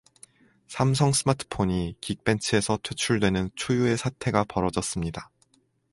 삼성 스마트폰이 긱벤치에서 퇴출되는 초유의 사태가 벌어졌습니다.